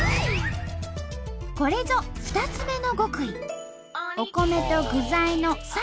これぞ２つ目の極意。